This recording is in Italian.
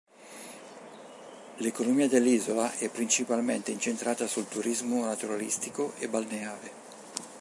L'economia dell'isola è principalmente incentrata sul turismo naturalistico e balneare.